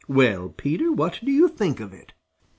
] "Well, Peter, what do you think of it?"